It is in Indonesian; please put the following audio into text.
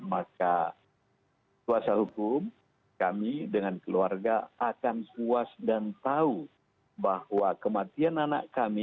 maka kuasa hukum kami dengan keluarga akan puas dan tahu bahwa kematian anak kami